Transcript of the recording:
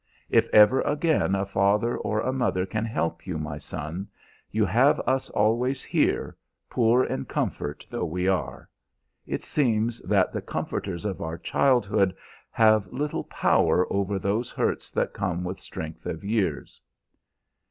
If ever again a father or a mother can help you, my son, you have us always here, poor in comfort though we are. It seems that the comforters of our childhood have little power over those hurts that come with strength of years.